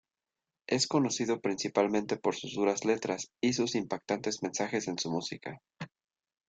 Es conocido principalmente por sus duras letras y sus impactantes mensajes en su música.